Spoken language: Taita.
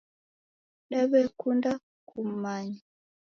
Dawekunda kummanya